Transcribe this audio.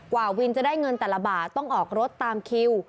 กว่าวินจะได้เงินแต่ละบาทต้องออกรถตามคิว